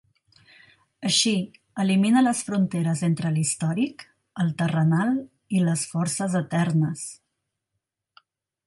Així elimina les fronteres entre l'històric, el terrenal i les forces eternes.